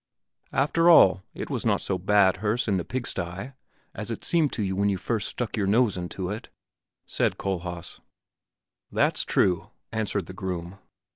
"After all, it was not so bad, Herse, in the pigsty, as it seemed to you when you first stuck your nose into it," said Kohlhaas. "That's true," answered the groom.